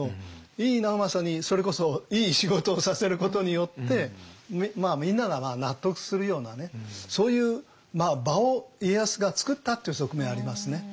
井伊直政にそれこそイイ仕事をさせることによってみんなが納得するようなねそういう場を家康がつくったという側面ありますね。